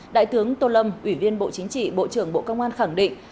đại tướng tô lâm ủy viên bộ chính trị bộ trưởng bộ công an khẳng định